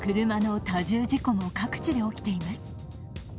車の多重事故も各地で起きています。